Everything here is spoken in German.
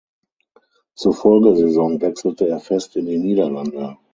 Zur Folgesaison wechselte er fest in die Niederlande.